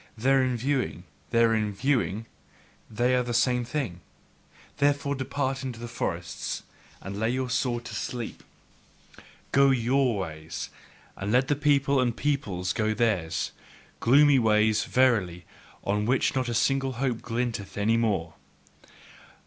Therein viewing, therein hewing they are the same thing: therefore depart into the forests and lay your sword to sleep! Go YOUR ways! and let the people and peoples go theirs! gloomy ways, verily, on which not a single hope glinteth any more!